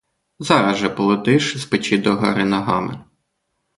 Зараз же полетиш з печі догори ногами.